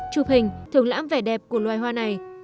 chụp hình thưởng lãm vẻ đẹp của loài hoa này